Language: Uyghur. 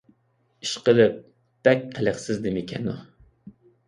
ئىشقىلىپ، بەك قىلىقسىز نېمىكەن ئۇ!